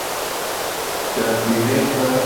Dagbe ne va.